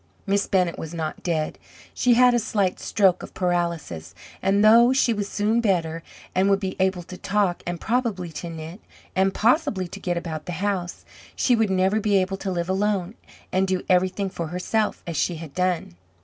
Miss Bennett was not dead she had a slight stroke of paralysis; and though she was soon better, and would be able to talk, and probably to knit, and possibly to get about the house, she would never be able to live alone and do everything for herself, as she had done.